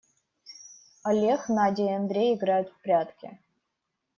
Олег, Надя и Андрей играют в прятки.